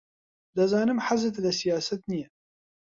دەزانم حەزت لە سیاسەت نییە.